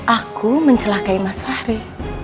aku mencelakai mas fahri